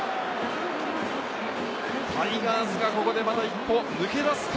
タイガースがここで、また一歩抜け出すか？